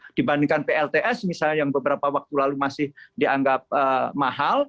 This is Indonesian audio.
dibandingkan plts misalnya yang beberapa waktu lalu masih dianggap mahal